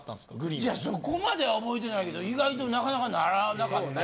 いやそこまでは覚えてないけど意外となかなかならなかったよ。